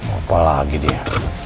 apa lagi dia